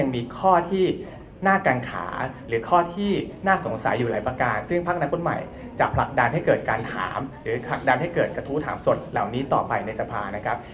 มีข้อที่น่ากังขาหรือข้อที่น่าสงสัยอยู่หลายประการซึ่งพักอนาคตใหม่จะผลักดันให้เกิดการถามหรือผลักดันให้เกิดกระทู้ถามสดเหล่านี้ต่อไปในสภานะครับ